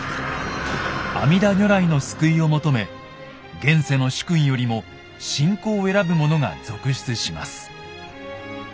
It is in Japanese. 阿弥陀如来の救いを求め現世の主君よりも信仰を選ぶ者が続出します。